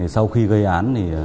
sau khi gây án